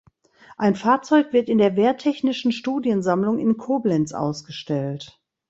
Ein Fahrzeug wird in der Wehrtechnischen Studiensammlung in Koblenz ausgestellt.